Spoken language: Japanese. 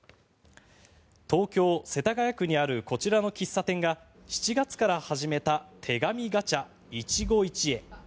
東京・世田谷区にあるこちらの喫茶店が７月から始めた手紙ガチャ一期一会。